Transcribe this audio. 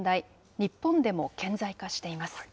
日本でも顕在化しています。